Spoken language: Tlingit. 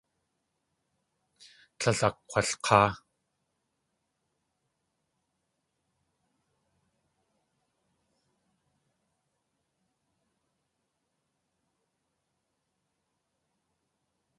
Tlél akg̲walk̲áa.